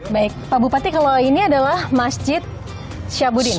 baik pak bupati kalau ini adalah masjid syabudin